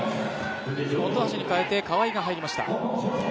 本橋に代えて川井が入りました。